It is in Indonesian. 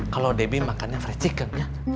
kalau debbie makannya fresh chicken ya